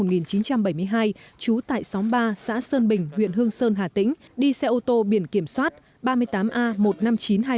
trú tại xóm ba xã sơn bình huyện hương sơn hà tĩnh đi xe ô tô biển kiểm soát ba mươi tám a một mươi năm nghìn chín trăm hai mươi